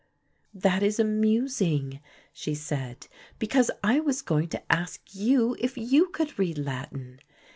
"That is amusing," she said, "because I was going to ask you if you could read Latin.